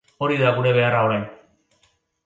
Hori da gure beharra orain.